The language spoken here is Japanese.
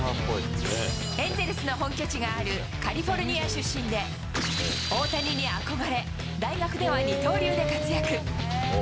エンゼルスの本拠地があるカリフォルニア出身で、大谷に憧れ、大学では二刀流で活躍。